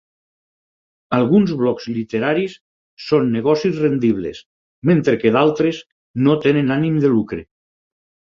Alguns blocs literaris són negocis rendibles, mentre que d'altres, no tenen ànim de lucre.